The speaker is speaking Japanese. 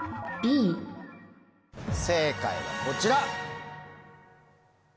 正解はこちら。